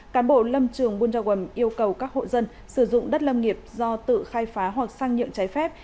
cán bộ lâm trường buôn gia phẩm yêu cầu các hộ dân sử dụng đất lâm nghiệp do tự khai phá hoặc sang nhượng trái phép